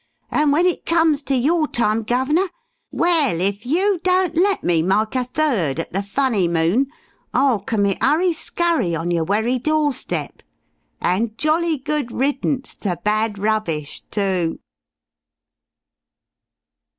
And when it comes to your time, Guv'nor! well, if yer don't let me myke a third at the funnymoon, I'll commit hurry skurry on yer wery doorstep!... An' jolly good riddance ter bad rubbish, too!"